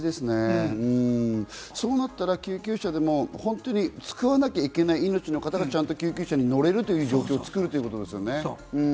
そうなったら救急車でも本当に救わなきゃいけない方がちゃんと救急車に乗れるという状況をつくれるということですね。